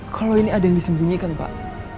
kalau ini ada yang disembunyikan pak